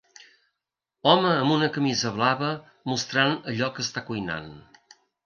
Home amb una camisa blava mostrant allò que està cuinant.